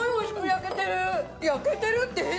「焼けてる」って変だ！